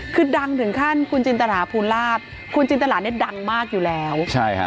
คือดังถึงขั้นคุณจินตราภูลาภคุณจินตราเนี่ยดังมากอยู่แล้วใช่ค่ะ